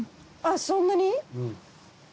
あっそんなに？